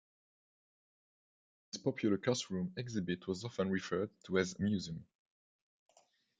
This popular classroom exhibit was often referred to as the "museum".